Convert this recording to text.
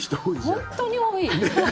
本当に多い！